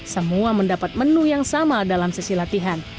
semua mendapat menu yang sama dalam sesi latihan